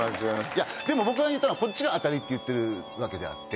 いやでも僕が言ったのはこっちがあたりって言ってるわけであって。